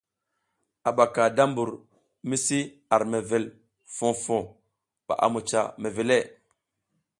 A ɓaka da mbur mi si ar mewel foh foh ɓa a mucah mewele.